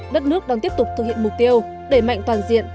đất nước đang tiếp tục thực hiện mục tiêu đẩy mạnh toàn diện